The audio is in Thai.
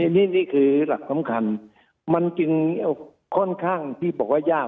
นี่คือหลักสำคัญมันจึงค่อนข้างที่บอกว่ายาก